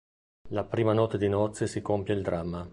La prima notte di nozze si compie il dramma.